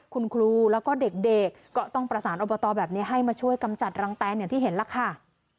คุณครูแล้วก็เด็กก็ต้องประสานอบตแบบนี้ให้มาช่วยกำจัดรังแตนอย่างที่เห็นล่ะค่ะ